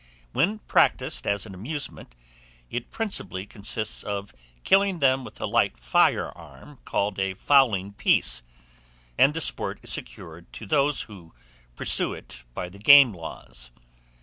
When practised as an amusement, it principally consists of killing them with a light firearm called a "fowling piece," and the sport is secured to those who pursue it by the game laws.